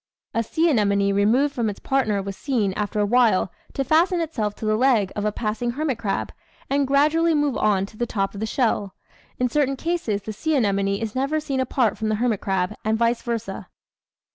A sea anemone removed from its partner was seen, after a while, to fasten itself to the leg of a passing hermit crab and gradually move on to the top of the shell. In certain cases the sea anemone is never seen apart from the hermit crab, and vice versa.